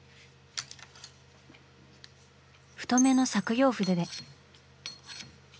太めの削用筆で。